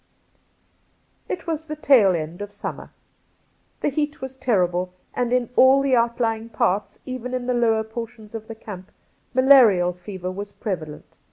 It was the tail end of summer. The heat was terrible, and in all the outlying parts — even in the lower portions of the camp — malarial fever was prevalent.